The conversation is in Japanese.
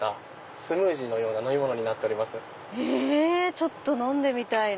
ちょっと飲んでみたいな。